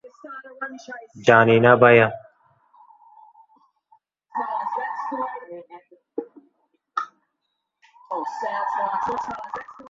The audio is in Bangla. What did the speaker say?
জানি না, ভায়া।